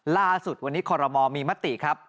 ล่าสุดวันนี้คอรมอลมีมติครับ